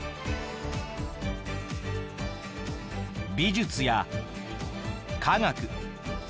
美術や科学。